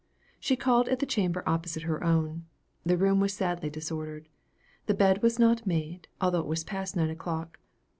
She called at the chamber opposite her own. The room was sadly disordered. The bed was not made, although it was past nine o'clock.